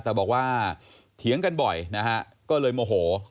แต่บอกว่าเถียงกันบ่อยนะฮะก็เลยโมโห